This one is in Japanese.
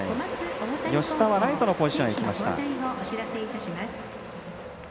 吉田はライトのポジションへいきました。